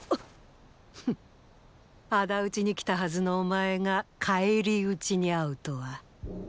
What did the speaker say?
フッ仇討ちに来たはずのお前が返り討ちにあうとは。